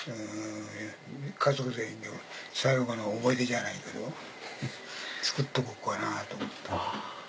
家族全員で最後の思い出じゃないけどつくっとこうかなと思って。